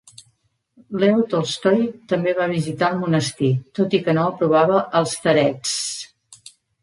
Leo Tolstoy també va visitar el monestir, tot i que no aprovava el starets.